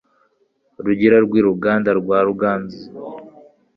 irugira rw'i Ruganda rwa Ruganzu